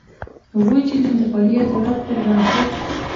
هغوی چې د انتقالي عدالت پر بنسټ.